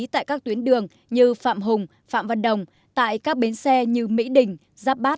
tại các tuyến đường như phạm hùng phạm văn đồng tại các bến xe như mỹ đình giáp bát